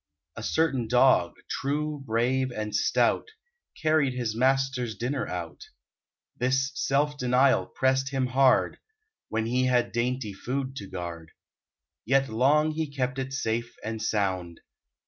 A certain Dog, true, brave, and stout, Carried his master's dinner out. This self denial pressed him hard, When he had dainty food to guard: Yet long he kept it safe and sound.